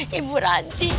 hei ibu ranti